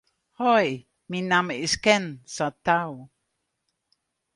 Hoi, myn namme is Ken Saitou.